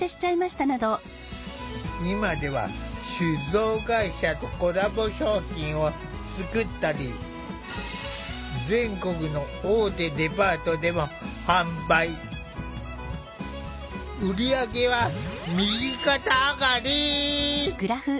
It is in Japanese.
今では酒造会社とコラボ商品を作ったり全国の売り上げは右肩上がり。